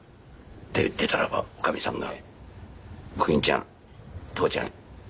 で出たらば女将さんが「小金ちゃん父ちゃん死んだで」